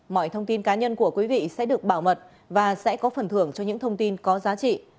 mọi thông tin cá nhân của quý vị sẽ được bảo mật và sẽ có phần thưởng cho những thông tin có giá trị